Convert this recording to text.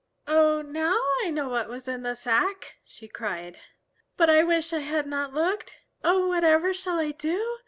"Oh, now I know what was in the sack!" she cried. "But I wish I had not looked. Oh, whatever shall I do?